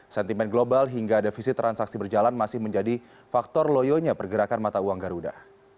sentimen global hingga defisit transaksi berjalan masih menjadi faktor loyonya pergerakan mata uang garuda